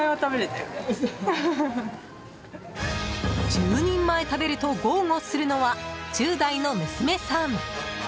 １０人前食べると豪語するのは１０代の娘さん。